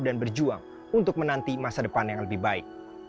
dan berjuang untuk menanti masa depan yang lebih baik